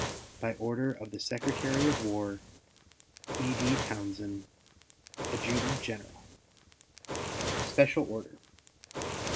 By order of the Secretary of War: E.D. TOWNSEND, Adjutant General. SPECIAL ORDER.